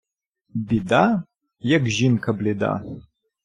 Біда, як жінка бліда.